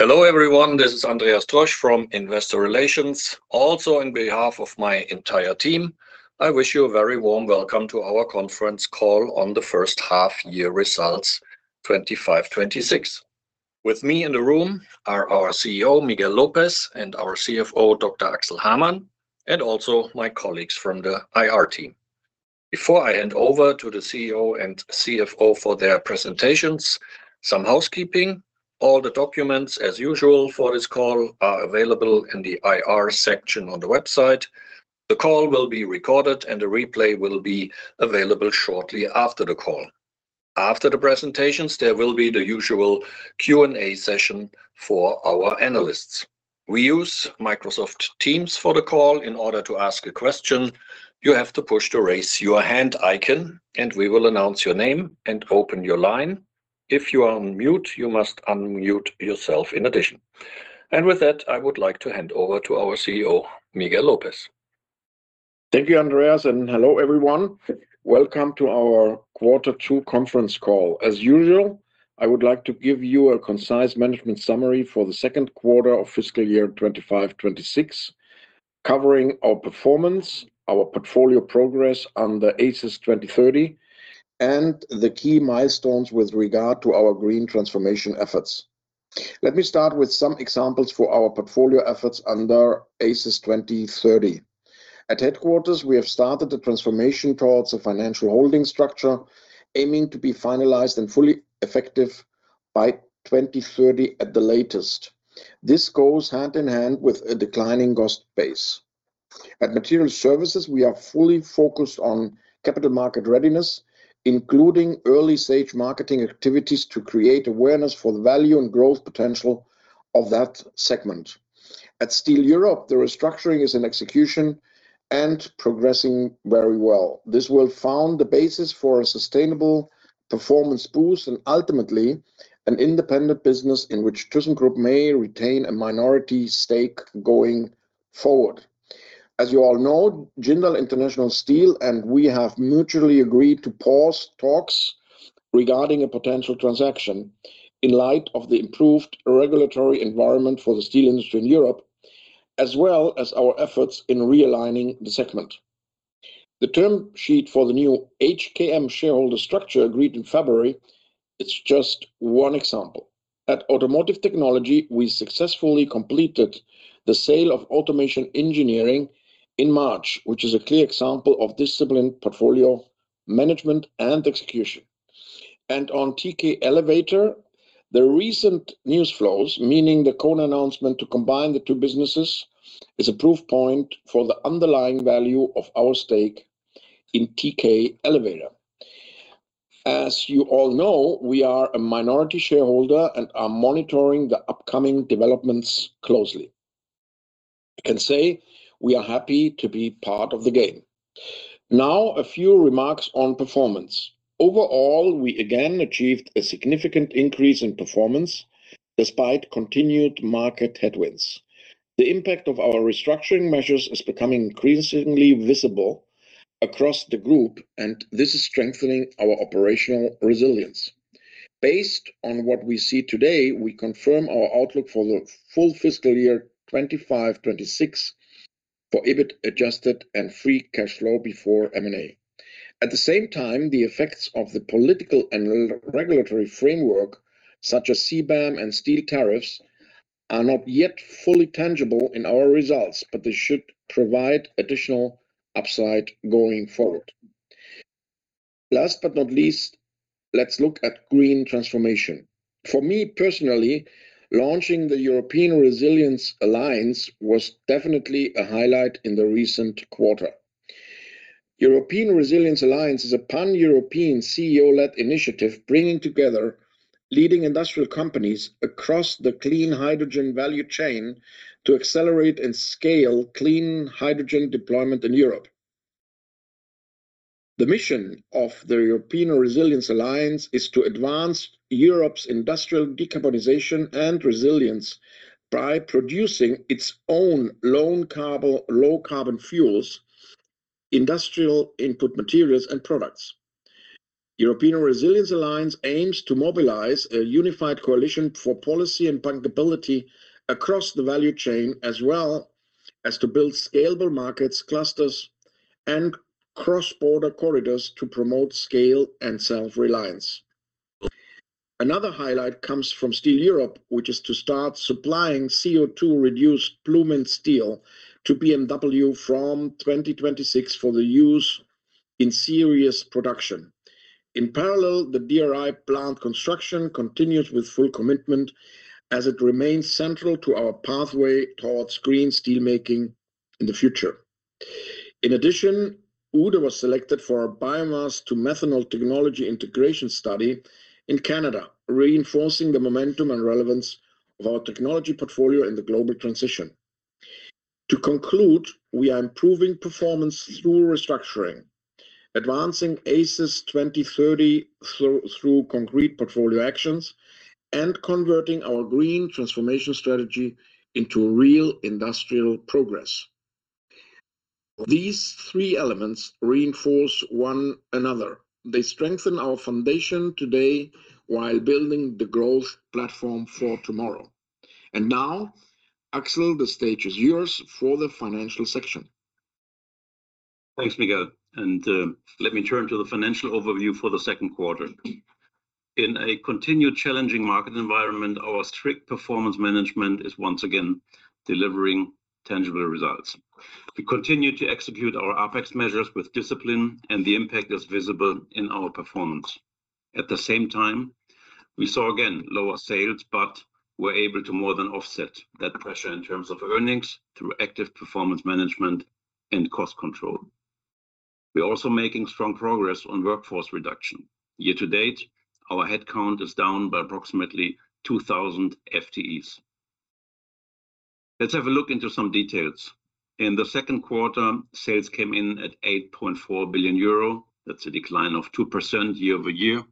Hello, everyone. This is Andreas Trösch from Investor Relations. On behalf of my entire team, I wish you a very warm welcome to our conference call on the first half year results 2025, 2026. With me in the room are our CEO, Miguel Lopez, and our CFO, Dr. Axel Hamann, and also my colleagues from the IR team. Before I hand over to the CEO and CFO for their presentations, some housekeeping. All the documents, as usual, for this call are available in the IR section on the website. The call will be recorded and a replay will be available shortly after the call. After the presentations, there will be the usual Q&A session for our analysts. We use Microsoft Teams for the call. In order to ask a question, you have to push the Raise Your Hand icon, and we will announce your name and open your line. If you are on mute, you must unmute yourself in addition. With that, I would like to hand over to our CEO, Miguel Lopez. Thank you, Andreas, and hello, everyone. Welcome to our Quarter Two conference call. As usual, I would like to give you a concise management summary for the second quarter of fiscal year 2025/2026, covering our performance, our portfolio progress under ACES 2030, and the key milestones with regard to our green transformation efforts. Let me start with some examples for our portfolio efforts under ACES 2030. At headquarters, we have started the transformation towards a financial holding structure, aiming to be finalized and fully effective by 2030 at the latest. This goes hand in hand with a declining cost base. At Materials Services, we are fully focused on capital market readiness, including early stage marketing activities to create awareness for the value and growth potential of that segment. At Steel Europe, the restructuring is in execution and progressing very well. This will form the basis for a sustainable performance boost and ultimately an independent business in which thyssenkrupp may retain a minority stake going forward. As you all know, Jindal Steel International and we have mutually agreed to pause talks regarding a potential transaction in light of the improved regulatory environment for the steel industry in Europe, as well as our efforts in realigning the segment. The term sheet for the new HKM shareholder structure agreed in February. It's just one example. At Automotive Technology, we successfully completed the sale of Automation Engineering in March, which is a clear example of disciplined portfolio management and execution. On TK Elevator, the recent news flows, meaning the Kone announcement to combine the two businesses, is a proof point for the underlying value of our stake in TK Elevator. As you all know, we are a minority shareholder and are monitoring the upcoming developments closely. I can say we are happy to be part of the game. A few remarks on performance. Overall, we again achieved a significant increase in performance despite continued market headwinds. The impact of our restructuring measures is becoming increasingly visible across the group, and this is strengthening our operational resilience. Based on what we see today, we confirm our outlook for the full fiscal year 2025/2026 for EBIT adjusted and free cash flow before M&A. At the same time, the effects of the political and regulatory framework, such as CBAM and steel tariffs, are not yet fully tangible in our results, but they should provide additional upside going forward. Last but not least, let's look at green transformation. For me personally, launching the European Resilience Alliance was definitely a highlight in the recent quarter. European Resilience Alliance is a pan-European CEO-led initiative bringing together leading industrial companies across the clean hydrogen value chain to accelerate and scale clean hydrogen deployment in Europe. The mission of the European Resilience Alliance is to advance Europe's industrial decarbonization and resilience by producing its own low carbon fuels, industrial input materials and products. European Resilience Alliance aims to mobilize a unified coalition for policy and bankability across the value chain, as well as to build scalable markets, clusters and cross-border corridors to promote scale and self-reliance. Another highlight comes from Steel Europe, which is to start supplying CO2-reduced bloom and steel to BMW from 2026 for the use in series production. In parallel, the DRI plant construction continues with full commitment as it remains central to our pathway towards green steelmaking in the future. In addition, Uhde was selected for a biomass to methanol technology integration study in Canada, reinforcing the momentum and relevance of our technology portfolio in the global transition. To conclude, we are improving performance through restructuring, advancing ACES 2030 through concrete portfolio actions, and converting our green transformation strategy into real industrial progress. These three elements reinforce one another. They strengthen our foundation today while building the growth platform for tomorrow. Now, Axel, the stage is yours for the financial section. Thanks, Miguel, let me turn to the financial overview for the second quarter. In a continued challenging market environment, our strict performance management is once again delivering tangible results. We continue to execute our APEX measures with discipline, and the impact is visible in our performance. At the same time, we saw again lower sales, but we're able to more than offset that pressure in terms of earnings through active performance management and cost control. We're also making strong progress on workforce reduction. Year to date, our headcount is down by approximately 2,000 FTEs. Let's have a look into some details. In the second quarter, sales came in at 8.4 billion euro. That's a decline of 2% year-over-year,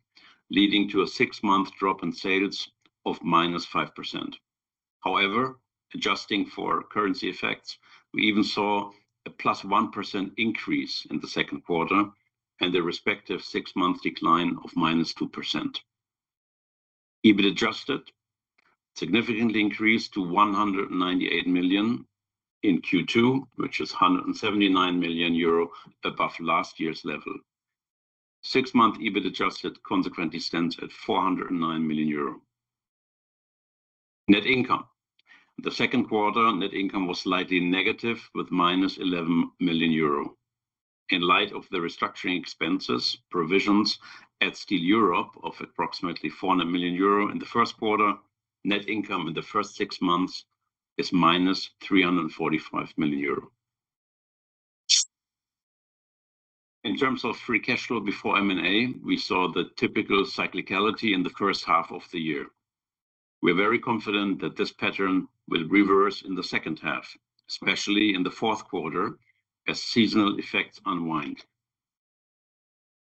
leading to a six-month drop in sales of -5%. However, adjusting for currency effects, we even saw a plus 1% increase in the second quarter and a respective six-month decline of -2%. Adjusted EBIT significantly increased to 198 million in Q2, which is 179 million euro above last year's level. Six-month Adjusted EBIT consequently stands at 409 million euro. Net income. The second quarter net income was slightly negative, with -11 million euro. In light of the restructuring expenses, provisions at Steel Europe of approximately 400 million euro in the first quarter, net income in the first six months is -345 million euro. In terms of free cash flow before M&A, we saw the typical cyclicality in the first half of the year. We're very confident that this pattern will reverse in the second half, especially in the fourth quarter, as seasonal effects unwind.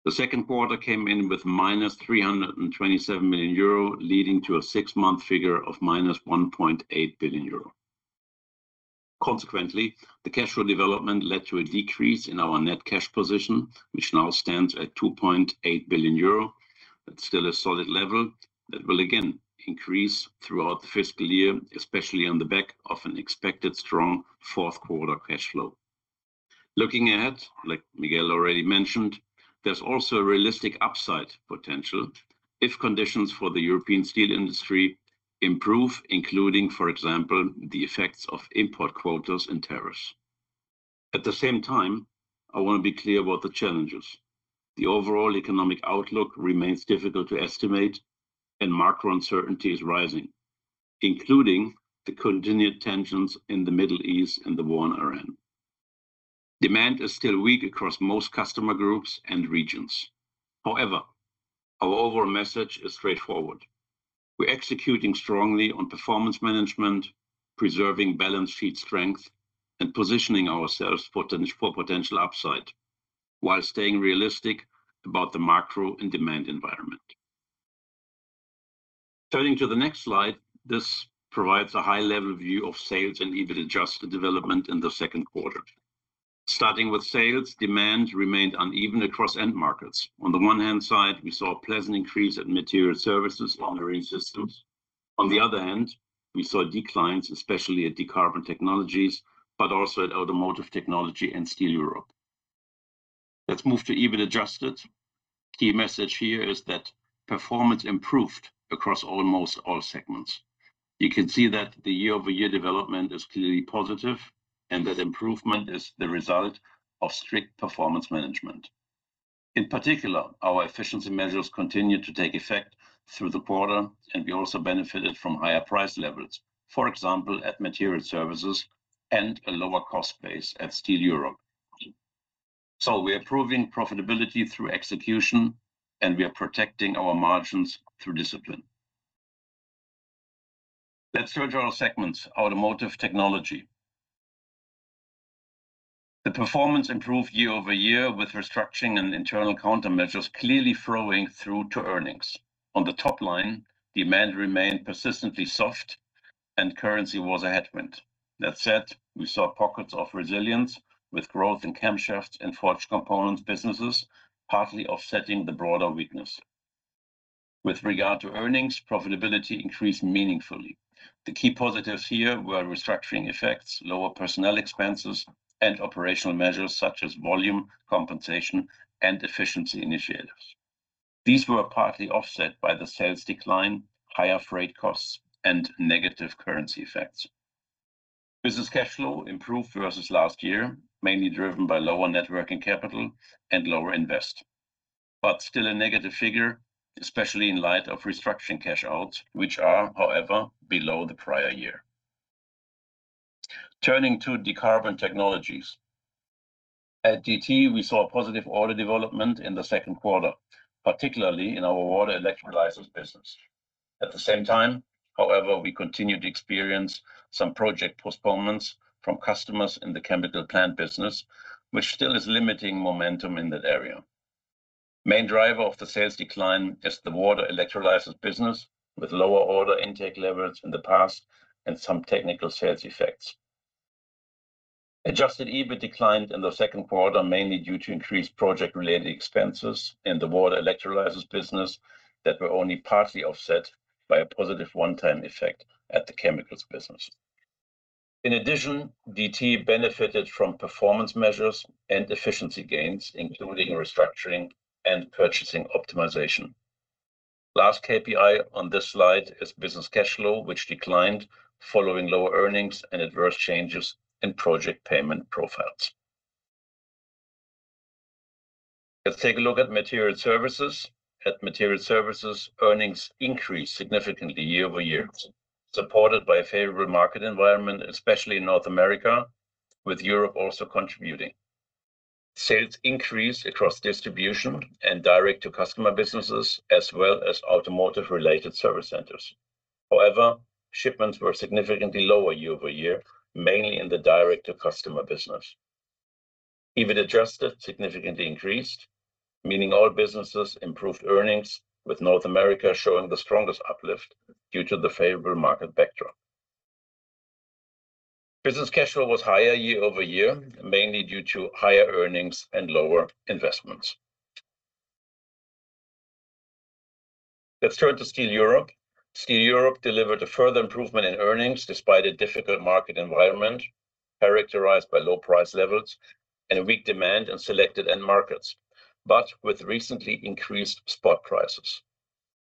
The second quarter came in with minus 327 million euro, leading to a six-month figure of minus 1.8 billion euro. Consequently, the cash flow development led to a decrease in our net cash position, which now stands at 2.8 billion euro. That's still a solid level that will again increase throughout the fiscal year, especially on the back of an expected strong fourth quarter cash flow. Looking ahead, like Miguel already mentioned, there's also a realistic upside potential if conditions for the European steel industry improve, including, for example, the effects of import quotas and tariffs. At the same time, I wanna be clear about the challenges. The overall economic outlook remains difficult to estimate and macro uncertainty is rising, including the continued tensions in the Middle East and the war in Ukraine. Demand is still weak across most customer groups and regions. However, our overall message is straightforward. We're executing strongly on performance management, preserving balance sheet strength, and positioning ourselves for potential upside while staying realistic about the macro and demand environment. Turning to the next slide, this provides a high-level view of sales and EBIT adjusted development in the second quarter. Starting with sales, demand remained uneven across end markets. On the one hand side, we saw a pleasant increase at Materials Services, Marine Systems. On the other hand, we saw declines, especially at Decarbon Technologies, but also at Automotive Technology and Steel Europe. Let's move to EBIT adjusted. Key message here is that performance improved across almost all segments. You can see that the year-over-year development is clearly positive. That improvement is the result of strict performance management. In particular, our efficiency measures continued to take effect through the quarter. We also benefited from higher price levels, for example, at Materials Services and a lower cost base at Steel Europe. We are improving profitability through execution. We are protecting our margins through discipline. Let's go to our segments. Automotive Technology. The performance improved year-over-year with restructuring and internal countermeasures clearly flowing through to earnings. On the top line, demand remained persistently soft. Currency was a headwind. That said, we saw pockets of resilience with growth in camshaft and forged components businesses, partly offsetting the broader weakness. With regard to earnings, profitability increased meaningfully. The key positives here were restructuring effects, lower personnel expenses, and operational measures such as volume, compensation, and efficiency initiatives. These were partly offset by the sales decline, higher freight costs, and negative currency effects. Business cash flow improved versus last year, mainly driven by lower net working capital and lower invest, but still a negative figure, especially in light of restructuring cash outs, which are, however, below the prior year. Turning to Decarbon Technologies. At DT, we saw a positive order development in the second quarter, particularly in our water electrolyzers business. At the same time, however, we continued to experience some project postponements from customers in the chemical plant business, which still is limiting momentum in that area. Main driver of the sales decline is the water electrolyzers business, with lower order intake levels in the past and some technical sales effects. Adjusted EBIT declined in the second quarter, mainly due to increased project-related expenses in the water electrolyzers business that were only partly offset by a positive one-time effect at the chemicals business. In addition, DT benefited from performance measures and efficiency gains, including restructuring and purchasing optimization. Last KPI on this slide is business cash flow, which declined following lower earnings and adverse changes in project payment profiles. Let's take a look at Material Services. At Material Services, earnings increased significantly year-over-year, supported by a favorable market environment, especially in North America, with Europe also contributing. Sales increased across distribution and direct-to-customer businesses as well as automotive-related service centers. Shipments were significantly lower year-over-year, mainly in the direct-to-customer business. EBIT adjusted significantly increased, meaning all businesses improved earnings, with North America showing the strongest uplift due to the favorable market backdrop. Business cash flow was higher year-over-year, mainly due to higher earnings and lower investments. Let's turn to Steel Europe. Steel Europe delivered a further improvement in earnings despite a difficult market environment characterized by low price levels and weak demand in selected end markets, with recently increased spot prices.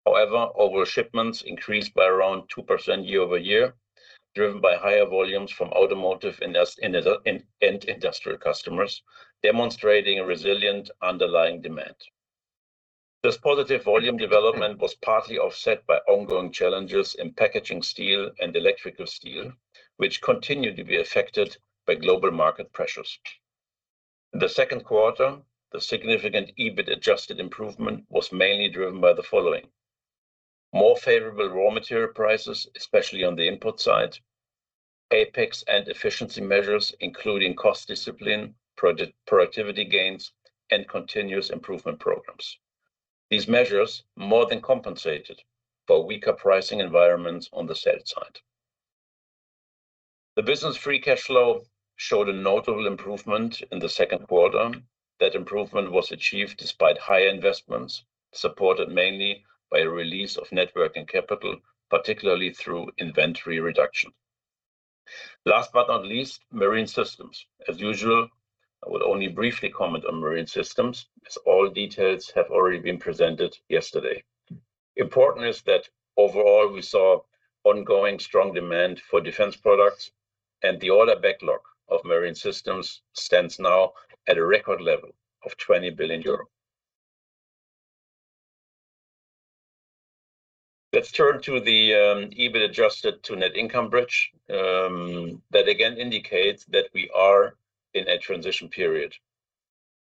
Overall shipments increased by around 2% year-over-year, driven by higher volumes from automotive industrial customers, demonstrating a resilient underlying demand. This positive volume development was partly offset by ongoing challenges in packaging steel and electrical steel, which continued to be affected by global market pressures. In the second quarter, the significant EBIT adjusted improvement was mainly driven by the following, more favorable raw material prices, especially on the input side, APEX and efficiency measures, including cost discipline, productivity gains, and continuous improvement programs. These measures more than compensated for weaker pricing environments on the sales side. The business free cash flow showed a notable improvement in the second quarter. That improvement was achieved despite high investments, supported mainly by a release of net working capital, particularly through inventory reduction. Last but not least, Marine Systems. As usual, I will only briefly comment on Marine Systems, as all details have already been presented yesterday. Important is that overall we saw ongoing strong demand for defense products and the order backlog of Marine Systems stands now at a record level of 20 billion euro. Let's turn to the EBIT adjusted to net income bridge. That again indicates that we are in a transition period.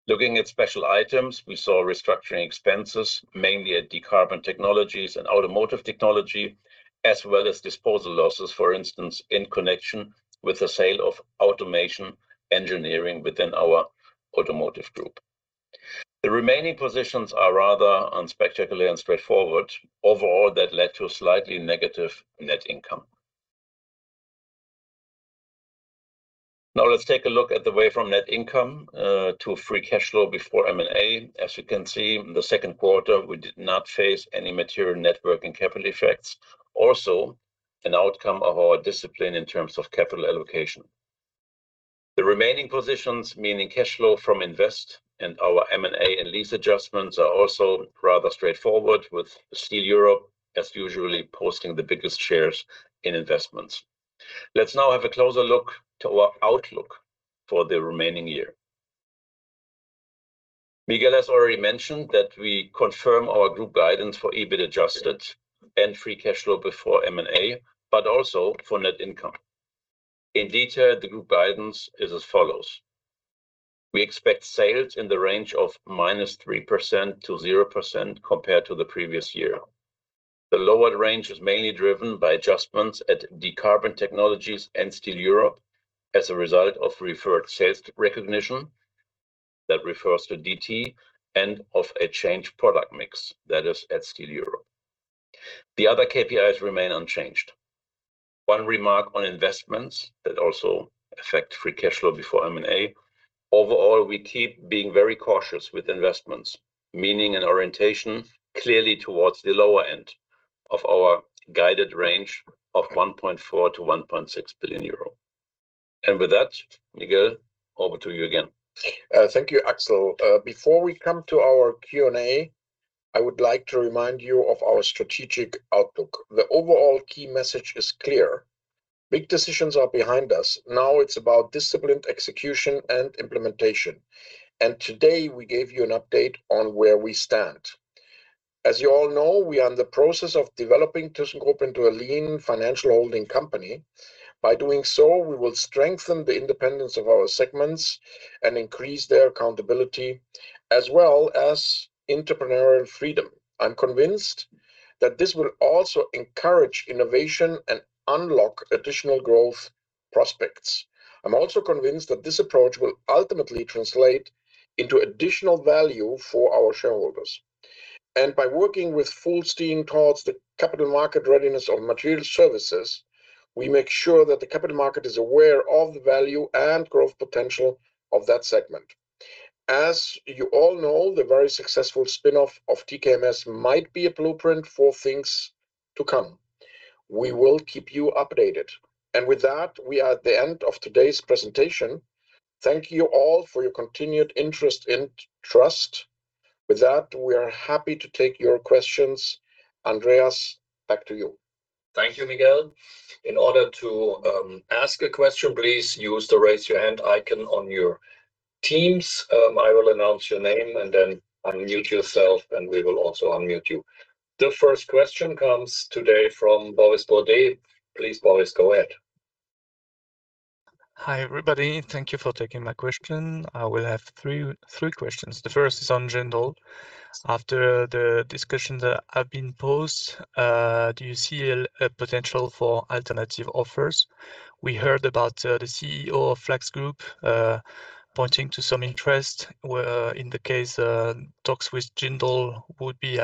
Looking at special items, we saw restructuring expenses, mainly at Decarbon Technologies and Automotive Technology, as well as disposal losses, for instance, in connection with the sale of Automation Engineering within our Automotive Group. The remaining positions are rather unspectacular and straightforward. Overall, that led to a slightly negative net income. Now let's take a look at the way from net income to a free cash flow before M&A. As you can see, in the second quarter we did not face any material net working capital effects. Also, an outcome of our discipline in terms of capital allocation. The remaining positions, meaning cash flow from invest and our M&A and lease adjustments, are also rather straightforward, with Steel Europe as usually posting the biggest shares in investments. Let's now have a closer look to our outlook for the remaining year. Miguel has already mentioned that we confirm our group guidance for EBIT adjusted and free cash flow before M&A, but also for net income. In detail, the group guidance is as follows. We expect sales in the range of -3% to 0% compared to the previous year. The lowered range is mainly driven by adjustments at Decarbon Technologies and Steel Europe as a result of deferred sales recognition that refers to DT and of a changed product mix, that is at Steel Europe. The other KPIs remain unchanged. One remark on investments that also affect free cash flow before M&A. Overall, we keep being very cautious with investments, meaning an orientation clearly towards the lower end of our guided range of 1.4 billion-1.6 billion euro. With that, Miguel, over to you again. Thank you, Axel. Before we come to our Q&A, I would like to remind you of our strategic outlook. The overall key message is clear. Big decisions are behind us. Now it's about disciplined execution and implementation. Today, we gave you an update on where we stand. As you all know, we are in the process of developing thyssenkrupp into a lean financial holding company. By doing so, we will strengthen the independence of our segments and increase their accountability as well as entrepreneurial freedom. I'm convinced that this will also encourage innovation and unlock additional growth prospects. I'm also convinced that this approach will ultimately translate into additional value for our shareholders. By working with full steam towards the capital market readiness of Materials Services, we make sure that the capital market is aware of the value and growth potential of that segment. As you all know, the very successful spin-off of TKMS might be a blueprint for things to come. We will keep you updated. With that, we are at the end of today's presentation. Thank you all for your continued interest and trust. With that, we are happy to take your questions. Andreas, back to you. Thank you, Miguel. In order to ask a question, please use the raise your hand icon on your Teams. I will announce your name and then unmute yourself, and we will also unmute you. The first question comes today from Boris Bourdet. Please, Boris, go ahead. Hi, everybody. Thank you for taking my question. I will have three questions. The first is on Jindal. After the discussions that have been posed, do you see a potential for alternative offers? We heard about the CEO of Flacks Group pointing to some interest where in the case talks with Jindal would be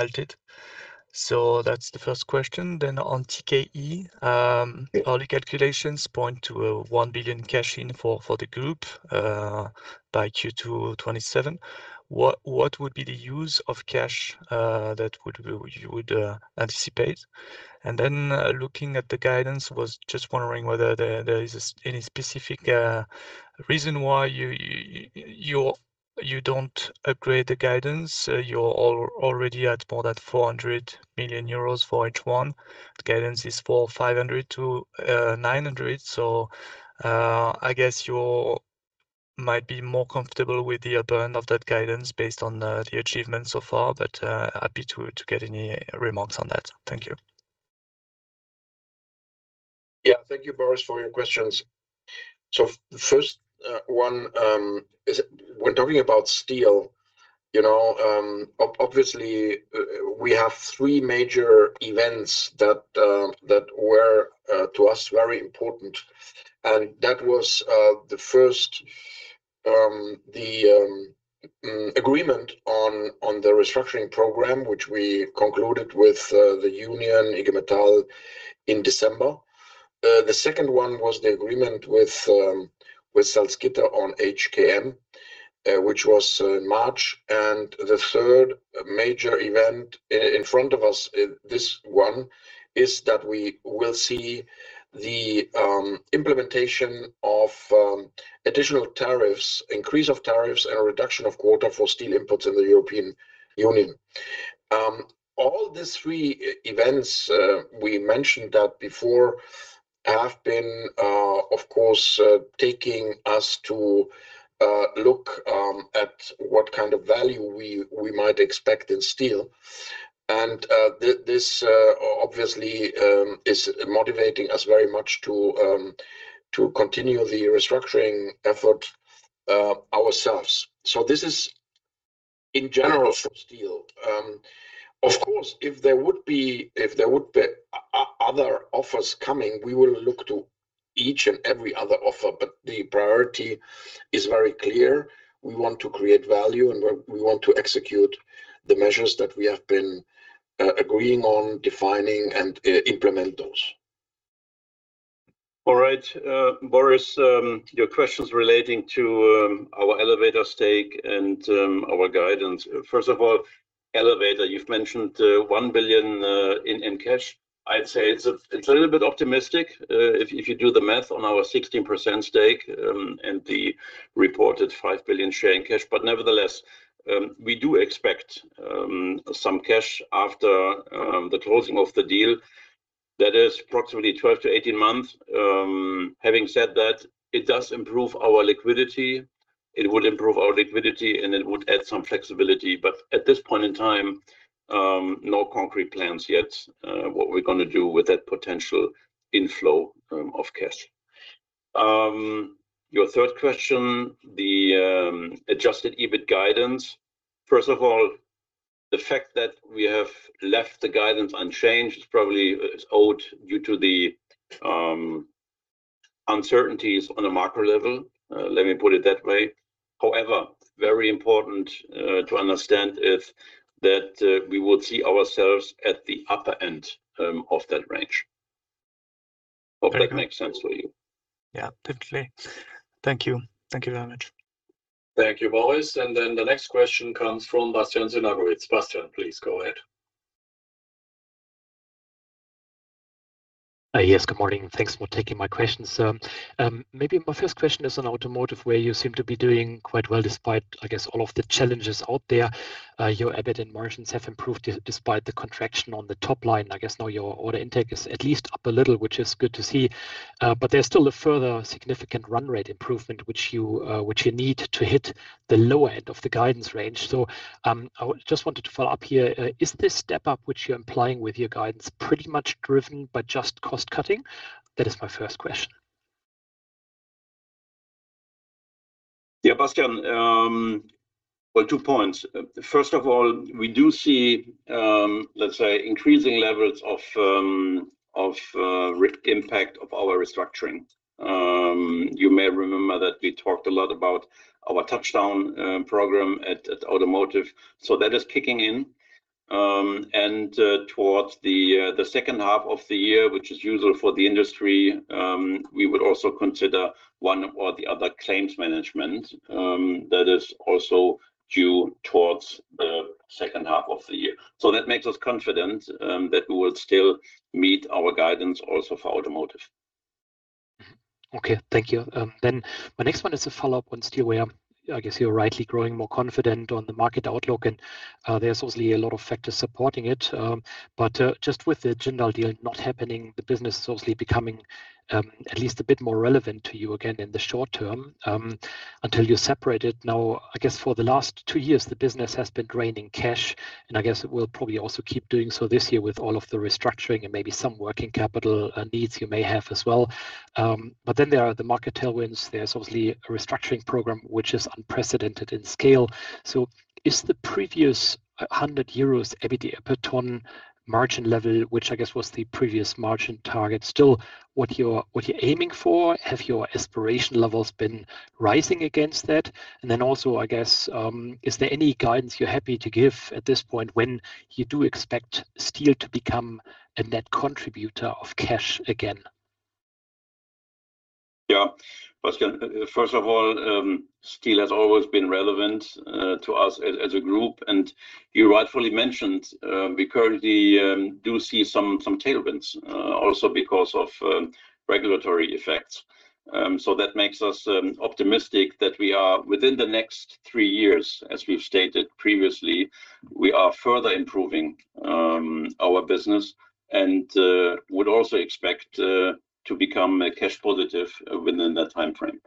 halted. That's the first question. On TKE. Yeah Our calculations point to a 1 billion cash in for the group by Q2 2027. What would be the use of cash that you would anticipate? Looking at the guidance, was just wondering whether there is any specific reason why you don't upgrade the guidance. You're already at more than 400 million euros for H1. Guidance is for 500-900 million. I guess you might be more comfortable with the upper end of that guidance based on the achievements so far, happy to get any remarks on that. Thank you. Thank you, Boris, for your questions. The first one is when talking about steel, you know, obviously, we have three major events that were to us very important. That was the first, the agreement on the restructuring program, which we concluded with the union IG Metall in December. The second one was the agreement with Salzgitter on HKM, which was in March. The third major event in front of us, this one is that we will see the implementation of additional tariffs, increase of tariffs and a reduction of quota for steel imports in the European Union. All these three e-events, we mentioned that before, have been, of course, taking us to look at what kind of value we might expect in steel. This, obviously, is motivating us very much to continue the restructuring effort ourselves. This is in general for steel. Of course, if there would be other offers coming, we will look to each and every other offer, but the priority is very clear. We want to create value, and we want to execute the measures that we have been agreeing on defining and implement those. All right. Boris, your questions relating to our elevator stake and our guidance. First of all, elevator, you've mentioned 1 billion in cash. I'd say it's a little bit optimistic if you do the math on our 16% stake and the reported 5 billion share in cash. Nevertheless, we do expect some cash after the closing of the deal. That is approximately 12-18 months. Having said that, it does improve our liquidity. It would improve our liquidity, and it would add some flexibility. At this point in time, no concrete plans yet what we're gonna do with that potential inflow of cash. Your third question, the Adjusted EBIT guidance. First of all, the fact that we have left the guidance unchanged is probably owed due to the uncertainties on a macro level, let me put it that way. However, very important to understand is that we would see ourselves at the upper end of that range. Hope that makes sense to you. Yeah, definitely. Thank you. Thank you very much. Thank you, Boris. The next question comes from Bastian Synagowitz. Bastian, please go ahead. Yes. Good morning. Thanks for taking my questions, sir. Maybe my first question is on automotive, where you seem to be doing quite well despite, I guess, all of the challenges out there. Your EBIT and margins have improved despite the contraction on the top line. I guess now your order intake is at least up a little, which is good to see. There's still a further significant run rate improvement which you, which you need to hit the lower end of the guidance range. I just wanted to follow up here. Is this step up, which you're implying with your guidance, pretty much driven by just cost cutting? That is my first question. Yeah, Bastian, well, two points. First of all, we do see, let's say increasing levels of impact of our restructuring. You may remember that we talked a lot about our touchdown program at Automotive. That is kicking in. Towards the second half of the year, which is usual for the industry, we would also consider one or the other claims management, that is also due towards the second half of the year. That makes us confident that we will still meet our guidance also for Automotive. Okay. Thank you. My next one is a follow-up on Steel Europe. I guess you're rightly growing more confident on the market outlook and there's obviously a lot of factors supporting it. Just with the Jindal deal not happening, the business is obviously becoming at least a bit more relevant to you again in the short term until you're separated. I guess for the last two years the business has been draining cash, and I guess it will probably also keep doing so this year with all of the restructuring and maybe some working capital needs you may have as well. There are the market tailwinds. There's obviously a restructuring program which is unprecedented in scale. Is the previous 100 euros EBIT per ton margin level, which I guess was the previous margin target, still what you're aiming for? Have your aspiration levels been rising against that? Also I guess, is there any guidance you're happy to give at this point when you do expect steel to become a net contributor of cash again? Yeah. Bastian, first of all, steel has always been relevant to us as a group, and you rightfully mentioned, we currently do see some tailwinds also because of regulatory effects. That makes us optimistic that we are within the next three years, as we've stated previously, we are further improving our business and would also expect to become cash positive within that timeframe.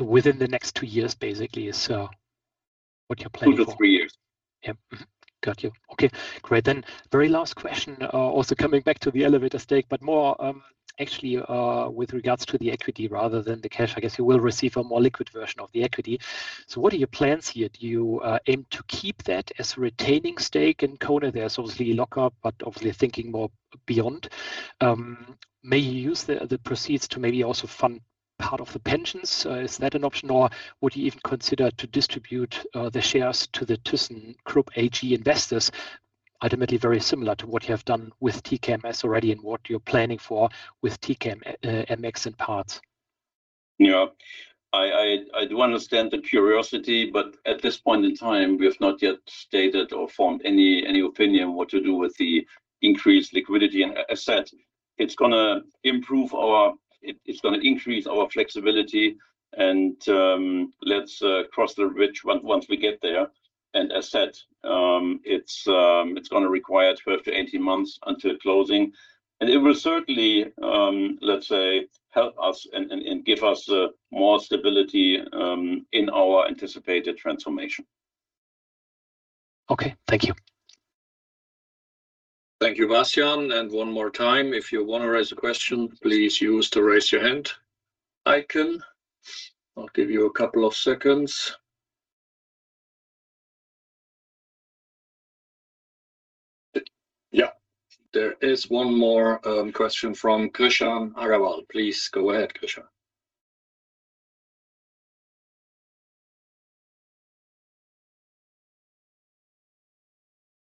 Within the next two years basically is what you're planning for? Two to three years. Yep. Got you. Okay. Great. Very last question, also coming back to the elevator stake, but more actually with regards to the equity rather than the cash, I guess you will receive a more liquid version of the equity. What are your plans here? Do you aim to keep that as a retaining stake in Kone? There's obviously lockup, but obviously thinking more beyond. May you use the proceeds to maybe also fund part of the pensions? Is that an option? Would you even consider to distribute the shares to the thyssenkrupp AG investors? Ultimately very similar to what you have done with TKMS already and what you're planning for with TKMS in parts. Yeah. I do understand the curiosity, but at this point in time we have not yet stated or formed any opinion what to do with the increased liquidity. As said, it's gonna increase our flexibility and let's cross the bridge once we get there. As said, it's gonna require 12 to 18 months until closing and it will certainly, let's say help us and give us more stability in our anticipated transformation. Okay. Thank you. Thank you, Bastian. One more time, if you wanna raise a question, please use the Raise Your Hand icon. I'll give you a couple of seconds. Yeah. There is one more question from Krishan Agarwal. Please go ahead, Krishan.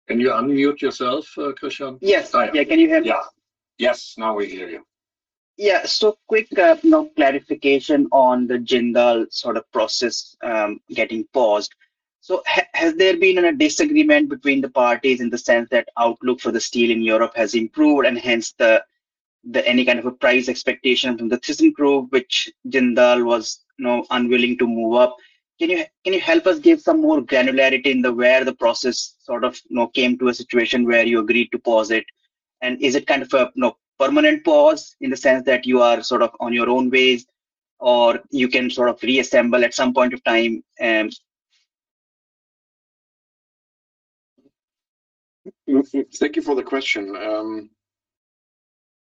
Can you unmute yourself, Krishan? Yes. Sorry. Yeah. Can you hear me? Yeah. Yes. Now we hear you. Quick, you know, clarification on the Jindal sort of process getting paused. Has there been a disagreement between the parties in the sense that outlook for the steel in Europe has improved and hence the any kind of a price expectation from thyssenkrupp, which Jindal was, you know, unwilling to move up? Can you help us give some more granularity in the, where the process sort of, you know, came to a situation where you agreed to pause it? Is it kind of a, you know, permanent pause in the sense that you are sort of on your own ways or you can sort of reassemble at some point of time? Thank you for the question.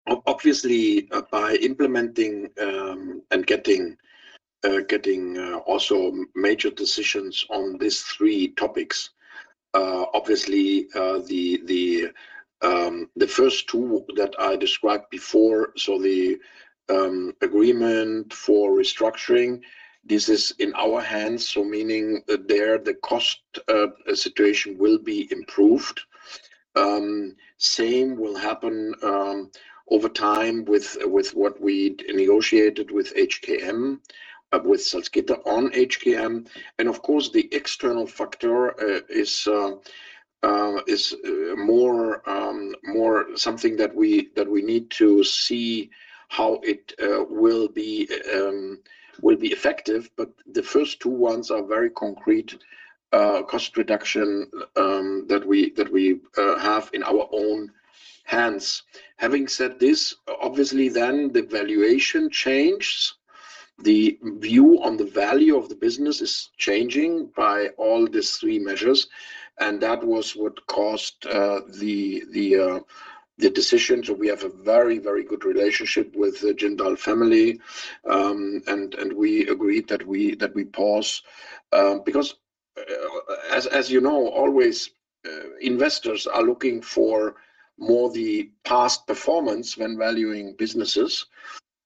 Obviously by implementing and getting also major decisions on these three topics, obviously, the first two that I described before, so the agreement for restructuring, this is in our hands, so meaning that there the cost situation will be improved. Same will happen over time with what we negotiated with HKM with Salzgitter on HKM. Of course, the external factor is more something that we need to see how it will be effective. The first two ones are very concrete cost reduction that we have in our own hands. Having said this, obviously then the valuation changes. The view on the value of the business is changing by all these three measures, and that was what caused the decision. We have a very, very good relationship with the Jindal family, and we agreed that we pause. As you know, always, investors are looking for more the past performance when valuing businesses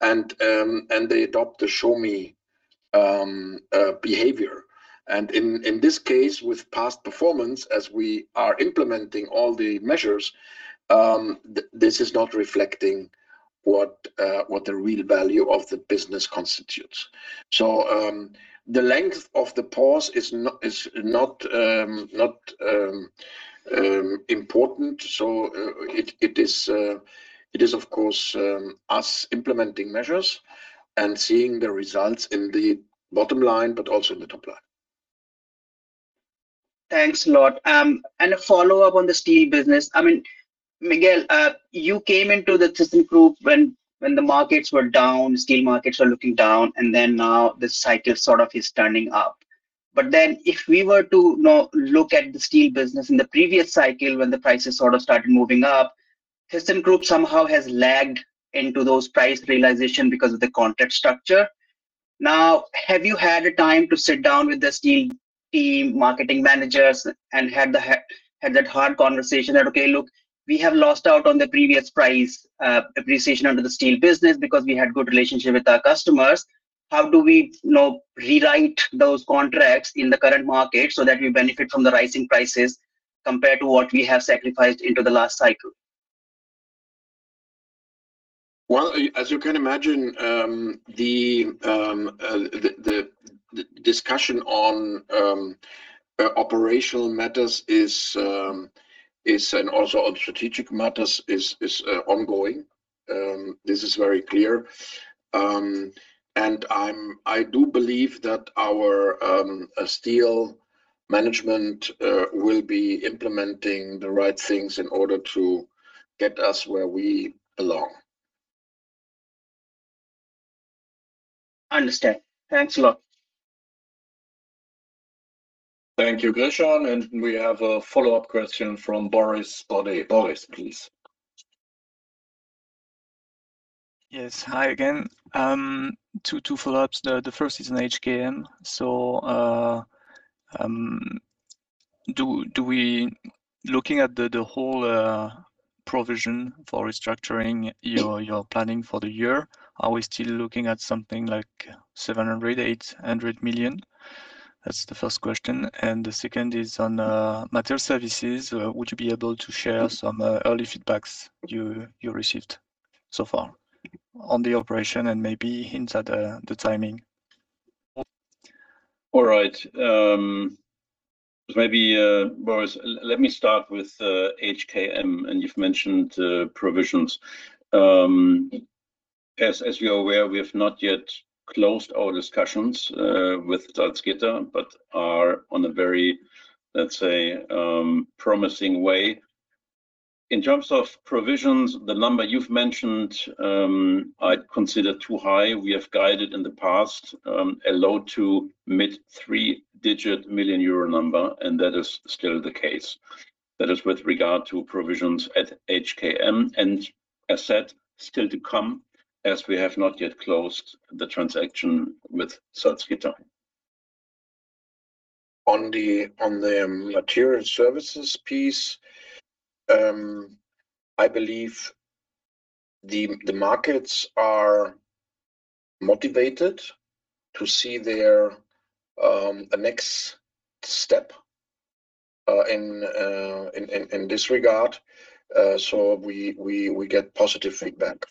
and they adopt the show me behavior. In this case, with past performance, as we are implementing all the measures, this is not reflecting what the real value of the business constitutes. The length of the pause is not important. It is of course, us implementing measures and seeing the results in the bottom line, but also in the top line. Thanks a lot. A follow-up on the steel business. I mean, Miguel, you came into thyssenkrupp when the markets were down, steel markets were looking down, now the cycle sort of is turning up. If we were to now look at the steel business in the previous cycle when the prices sort of started moving up, thyssenkrupp somehow has lagged into those price realization because of the contract structure. Have you had a time to sit down with the steel team marketing managers and had that hard conversation that, okay, look, we have lost out on the previous price appreciation under the steel business because we had good relationship with our customers. How do we, you know, rewrite those contracts in the current market so that we benefit from the rising prices compared to what we have sacrificed into the last cycle? Well, as you can imagine, the discussion on operational matters is, and also on strategic matters is ongoing. This is very clear. I do believe that our steel management will be implementing the right things in order to get us where we belong. Understand. Thanks a lot. Thank you, Krishan. We have a follow-up question from Boris Bourdet. Boris, please. Yes. Hi again. Two follow-ups. The first is on HKM. Looking at the whole provision for restructuring your planning for the year, are we still looking at something like 700 million-800 million? That's the first question. The second is on Materials Services. Would you be able to share some early feedbacks you received so far on the operation and maybe hints at the timing? All right. Maybe, Boris, let me start with HKM, and you've mentioned provisions. As you are aware, we have not yet closed our discussions with Salzgitter, but are on a very, let's say, promising way. In terms of provisions, the number you've mentioned, I'd consider too high. We have guided in the past a low to mid three-digit million EUR number, and that is still the case. That is with regard to provisions at HKM, and as said, still to come as we have not yet closed the transaction with Salzgitter. On the Materials Services piece, I believe the markets are motivated to see their next step in this regard. We get positive feedback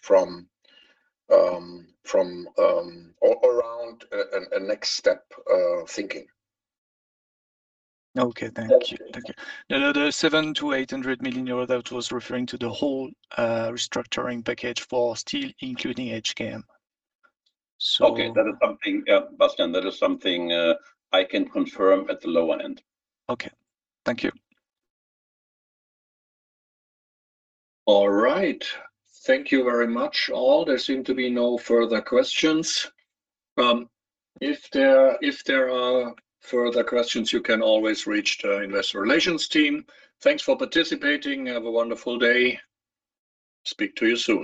from or around a next step thinking. Okay. Thank you. That's it. Thank you. No, the 700 million-800 million euro, that was referring to the whole restructuring package for steel, including HKM. Okay. That is something, yeah, Bastian, that is something, I can confirm at the lower end. Okay. Thank you. All right. Thank you very much, all. There seem to be no further questions. If there are further questions, you can always reach the investor relations team. Thanks for participating. Have a wonderful day. Speak to you soon.